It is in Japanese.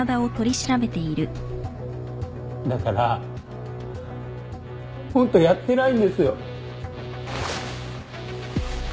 だからホントやってないんですよ。